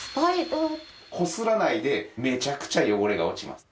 こすらないでめちゃくちゃ汚れが落ちます。